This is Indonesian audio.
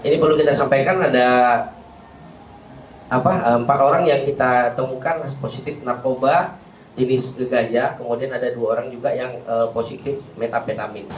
ini perlu kita sampaikan ada empat orang yang kita temukan positif narkoba jenis gegaja kemudian ada dua orang juga yang positif metafetamin